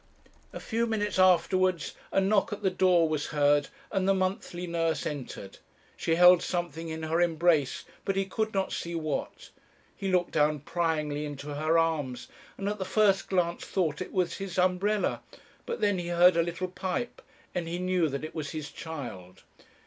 "A few minutes afterwards a knock at the door was heard, and the monthly nurse entered. She held something in her embrace; but he could not see what. He looked down pryingly into her arms, and at the first glance thought that it was his umbrella. But then he heard a little pipe, and he knew that it was his child.